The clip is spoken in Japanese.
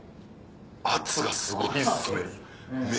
圧がすごいっすね